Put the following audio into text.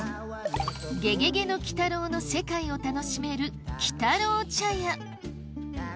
『ゲゲゲの鬼太郎』の世界を楽しめる鬼太郎茶屋